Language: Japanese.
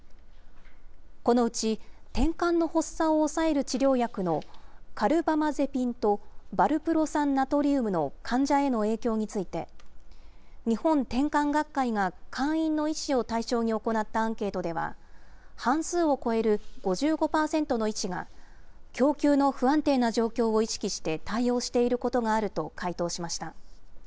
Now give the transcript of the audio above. このうち、てんかんの発作を抑える治療薬のカルバマゼピンと、バルプロ酸ナトリウムの患者への影響について、日本てんかん学会が会員の医師を対象に行ったアンケートでは、半数を超える５５％の医師が、供給の不安定な状況を意識して対応していることがあると回答しました。